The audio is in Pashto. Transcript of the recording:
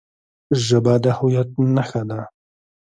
ژبه د هویت نښه ده.